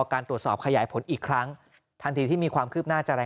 การตรวจสอบขยายผลอีกครั้งทันทีที่มีความคืบหน้าจะอะไร